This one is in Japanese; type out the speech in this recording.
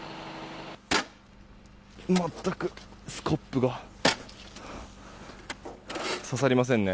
全くスコップが刺さりませんね。